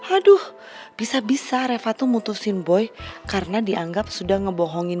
aduh bisa bisa reva tuh mutusin boy karena dianggap sudah ngebohongin